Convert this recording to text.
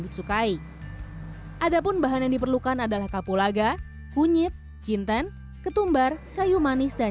disukai adapun bahan yang diperlukan adalah kapulaga kunyit cintan ketumbar kayu manis dan